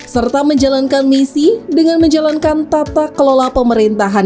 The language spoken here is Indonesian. serta menjalankan misi dengan menjalankan tata kelola pemerintahan